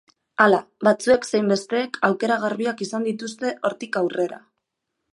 Hala, batzuek zein besteek aukera garbiak izan dituzte hortik aurrera.